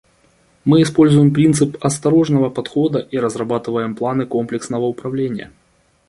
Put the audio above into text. Мы используем принцип осторожного подхода и разрабатываем планы комплексного управления.